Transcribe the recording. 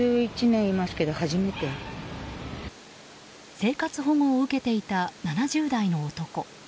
生活保護を受けていた７０代の男。